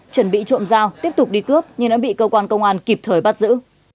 chuẩn bị trộm dao tiếp tục đi cướp nhưng đã bị cơ quan công an kịp thời bắt giữ